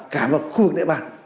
cả vào khu vực địa bàn